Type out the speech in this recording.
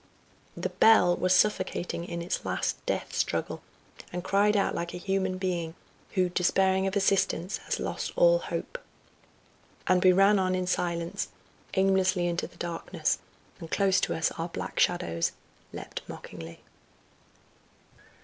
The bell was suffocating in its last death struggle and cried out like a human being who, despairing of assistance, has lost all hope. And we ran on in silence aimlessly into the darkness, and close to us our black shadows leapt mockingly.